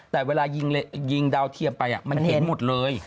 แต่เวลายิงดาวเทียมไปมันเห็นหมดเลย